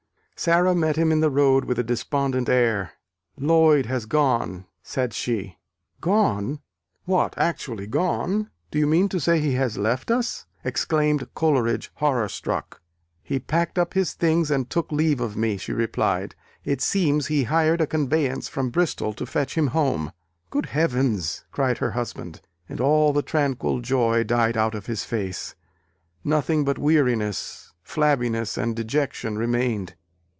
Sara met him in the road with a despondent air. "Lloyd has gone," said she. "Gone! what, actually gone! Do you mean to say he has left us?" exclaimed Coleridge, horrorstruck. "He packed up his things and took leave of me," she replied; "it seems he hired a conveyance from Bristol to fetch him home." "Good Heavens!" cried her husband: and all the tranquil joy died out of his face; nothing but weariness, flabbiness and dejection remained.